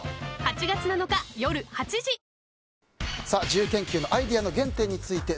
自由研究のアイデアの原点について。